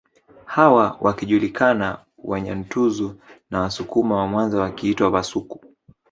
Hawa wakijulikana Wanyantuzu na Wasukuma wa Mwanza wakiitwa Bhasuku